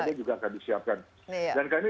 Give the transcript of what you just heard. ada juga akan disiapkan dan kami